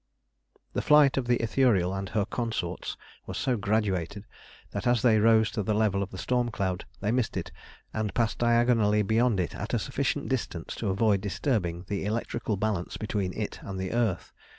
The flight of the Ithuriel and her consorts was so graduated, that as they rose to the level of the storm cloud they missed it and passed diagonally beyond it at a sufficient distance to avoid disturbing the electrical balance between it and the earth.